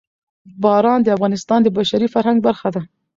باران د افغانستان د بشري فرهنګ برخه ده.